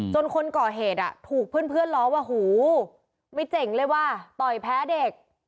คนก่อเหตุถูกเพื่อนล้อว่าหูไม่เจ๋งเลยว่ะต่อยแพ้เด็ก